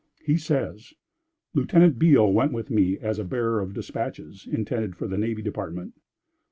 He says: "Lieutenant Beale went with me as bearer of dispatches intended for the Navy Department.